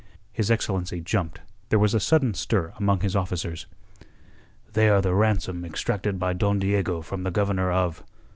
His excellency jumped; there was a sudden stir among his officers. "They are the ransom extracted by Don Diego from the Governor of...."